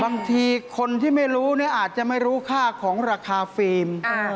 บางทีคนที่ไม่รู้เนี่ยอาจจะไม่รู้ค่าของราคาฟิล์ม